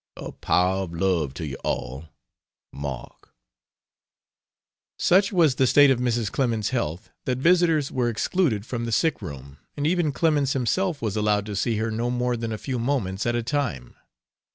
A power of love to you all! MARK. Such was the state of Mrs. Clemens's health that visitors were excluded from the sick room, and even Clemens himself was allowed to see her no more than a few moments at a time.